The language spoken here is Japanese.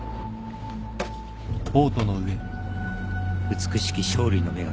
美しき勝利の女神。